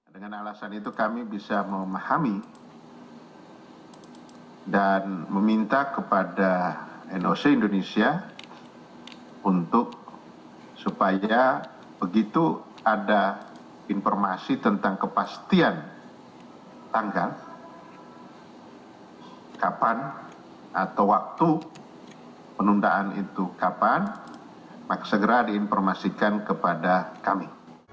dengan alasan itu kami bisa memahami dan meminta kepada noc indonesia untuk supaya begitu ada informasi tentang kepastian tanggal kapan atau waktu penundaan itu kapan maka segera diinformasikan kepada kami